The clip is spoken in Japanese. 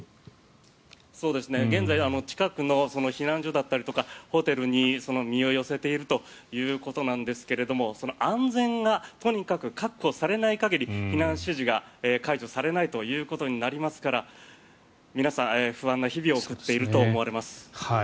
現在、近くの避難所だったりとかホテルに身を寄せているということなんですが安全がとにかく確保されない限り避難指示が解除されないということになりますから皆さん不安な日々を送っていると思われます。